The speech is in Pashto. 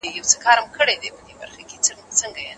د بشري مرستو رسول یو اخلاقي مسولیت دی.